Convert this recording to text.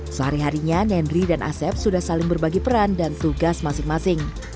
sehari harinya nendri dan asep sudah saling berbagi peran dan tugas masing masing